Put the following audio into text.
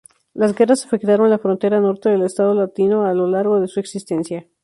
Las guerras afectaron la frontera norte del Estado latino a largo de su existencia.